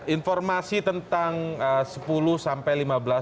informasi tentang sepuluh sampai lima belas